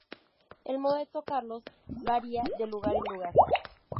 El modo de tocarlos varía de lugar en lugar.